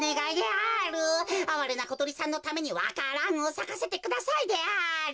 あわれなことりさんのためにわか蘭をさかせてくださいである。